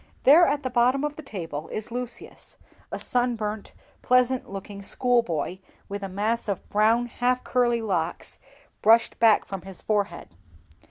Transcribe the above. There, at the bottom of the table, is Lucius, a sunburnt, pleasant looking schoolboy, with a mass of brown, half curly locks brushed back from his forehead.